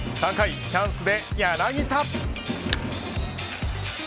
３回チャンスで柳田。